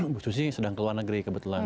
bu susi sedang keluar negeri kebetulan